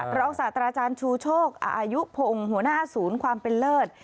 ศาสตราจารย์ชูโชคอายุพงศ์หัวหน้าศูนย์ความเป็นเลิศ